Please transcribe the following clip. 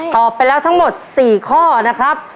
ตอบไปแล้วทั้งหมด๔ข้อนะครับ